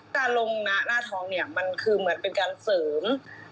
การลงหน้าท้องเนี่ยมันคือเหมือนเป็นการเสริม